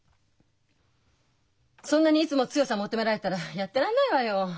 そんなにいつも強さ求められたらやってられないわよ。